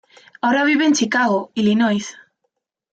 Ahora vive en Chicago, Illinois.